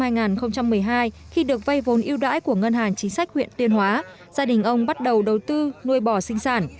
năm hai nghìn một mươi hai khi được vay vốn yêu đãi của ngân hàng chính sách huyện tuyên hóa gia đình ông bắt đầu đầu tư nuôi bò sinh sản